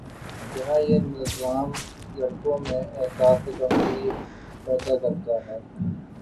جہاں یہ نظام لڑکیوں میں احساسِ کمتری پیدا کرتا ہے